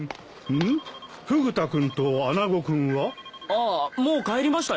ああもう帰りましたよ。